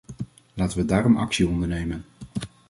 Laten we daarom actie ondernemen.